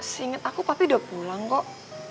seinget aku papi udah pulang kok